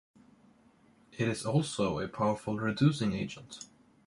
It is also a powerful reducing agent.